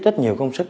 rất nhiều công sức